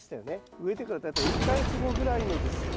植えてから大体１か月後ぐらいのですね